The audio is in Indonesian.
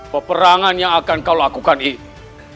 peperangan yang akan kau lakukan ini